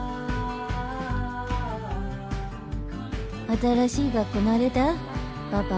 「新しい学校慣れた？